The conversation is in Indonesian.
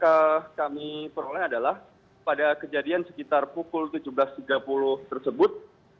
yang kami peroleh adalah pada kejadian sekitar pukul tujuh belas tiga puluh tersebut